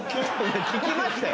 聞きましたよ